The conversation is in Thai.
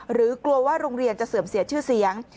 กลัวว่าโรงเรียนจะเสื่อมเสียชื่อเสียง